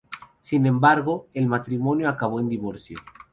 Sin embargo, el matrimonio acabó en divorcio.